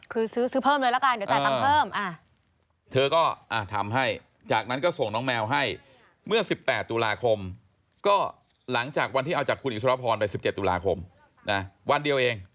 คือซื้อเพิ่มเลยละกันเดี๋ยวจ่ายตังค์เพิ่มเธอก็ทำให้จากนั้นก็ส่งน้องแมวให้เมื่อ๑๘ตุลาคมก็หลังจากวันที่เอาจากคุณอิสรพรไป๑๗ตุลาคมนะวันเดียวเอง